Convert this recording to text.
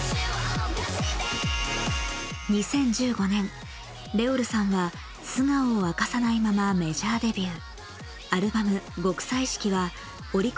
２０１５年Ｒｅｏｌさんは素顔を明かさないままメジャーデビュー。